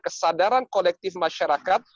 kesadaran kolektif masyarakat